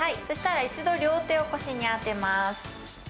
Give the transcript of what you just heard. そしたら一度、両手を腰に当てます